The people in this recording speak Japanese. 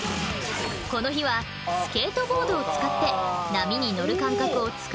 この日はスケートボードを使って波に乗る感覚をつかむ練習。